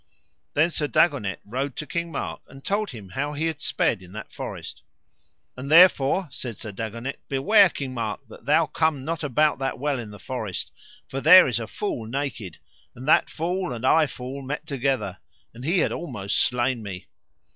Then Sir Dagonet rode to King Mark and told him how he had sped in that forest. And therefore, said Sir Dagonet, beware, King Mark, that thou come not about that well in the forest, for there is a fool naked, and that fool and I fool met together, and he had almost slain me.